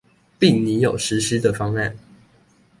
並擬有實施的方案